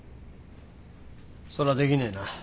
そらできねえな。